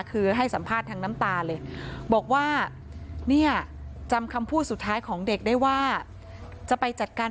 คือให้สัมภาษณ์ทางน้ำตาเลยบอกว่าเนี่ยจำคำพูดสุดท้ายของเด็กได้ว่าจะไปจัดการ